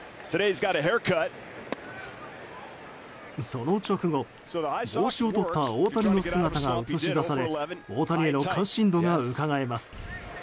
その直後、帽子をとった大谷の姿が映し出され大谷への関心度がうかがえます。